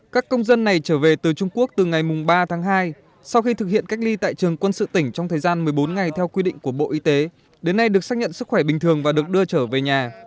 các công dân này trở về từ trung quốc từ ngày ba tháng hai sau khi thực hiện cách ly tại trường quân sự tỉnh trong thời gian một mươi bốn ngày theo quy định của bộ y tế đến nay được xác nhận sức khỏe bình thường và được đưa trở về nhà